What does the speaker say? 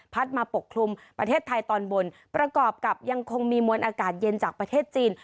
มาปกคลุมประเทศไทยตอนบนประกอบกับยังคงมีมวลอากาศเย็นจากประเทศจีน